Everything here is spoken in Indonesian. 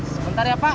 bentar ya pak